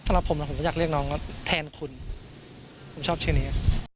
สำหรับผมผมก็อยากเรียกน้องว่าแทนคุณผมชอบชื่อนี้